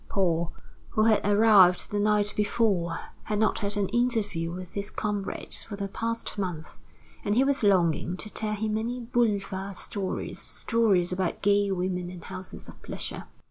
Paul, who had arrived the night before, had not had an interview with his comrade for the past month; and he was longing to tell him many boulevard stories stories about gay women and houses of pleasure.